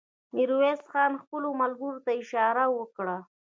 ميرويس خان خپلو ملګرو ته اشاره وکړه.